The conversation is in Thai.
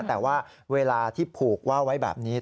แต่ว่าเวลาที่ผูกว่าไว้แบบนี้